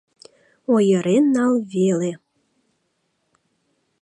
Ойырен нал веле!